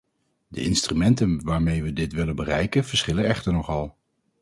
De instrumenten waarmee we dit willen bereiken verschillen echter nogal.